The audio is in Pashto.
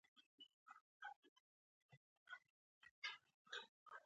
هرات د افغانستان د انرژۍ سکتور برخه ده.